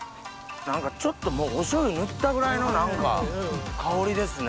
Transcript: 何かちょっともうお醤油塗ったぐらいの香りですね。